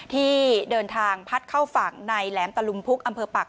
ที่เดินทางพัดเข้าฝั่งในแหลมตะลุมพุกอำเภอปัก